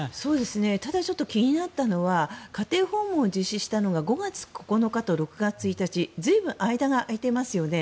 ただちょっと気になったのは家庭訪問を行ったのが５月９日と６月１日随分、間が空いていますよね。